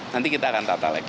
nanti kita akan tata lagi